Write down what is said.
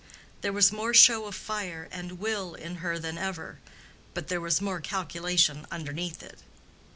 There was more show of fire and will in her than ever, but there was more calculation underneath it.